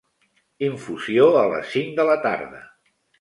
Infusió a les cinc de la tarda.